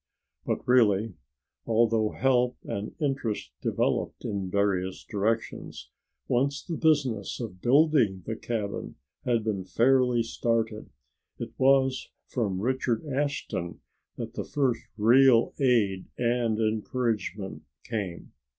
But really, although help and interest developed in various directions, once the business of building the cabin had been fairly started, it was from Richard Ashton that the first real aid and encouragement came.